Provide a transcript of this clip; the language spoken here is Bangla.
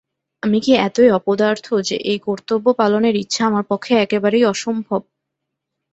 আমি কি এতই অপদার্থ যে, এই কর্তব্য-পালনের ইচ্ছা আমার পক্ষে একেবারেই অসম্ভব।